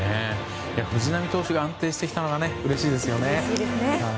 藤浪投手が安定してきたのがうれしいですね。